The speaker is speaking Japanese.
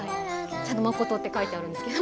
ちゃんと「誠」って書いてあるんですけど。